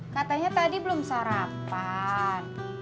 katanya tadi belum sarapan